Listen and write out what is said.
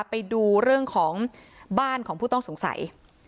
ไปดูเรื่องของบ้านของผู้ต้องสงสัย